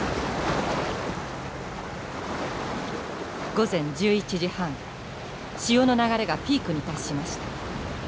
午前１１時半潮の流れがピークに達しました。